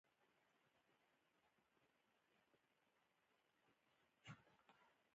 د افغانستان غرونه د تاریخ په اوږدو کي د جنګونو شاهدان پاته سوي.